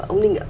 ông ninh ạ